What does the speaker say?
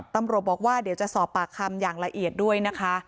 ตำรวจบอกว่าเดี๋ยวจะสอบปากคำอย่างละเอียดด้วยนะคะ